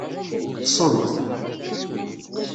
Ḍḍsent.